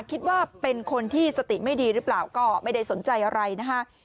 คิดว่าเป็นคนที่สติไม่ดีหรือเปล่าก็ไม่ได้สนใจอะไรนะคะ